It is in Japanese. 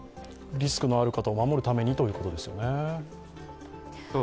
リスクのある方を守るためにということですよね。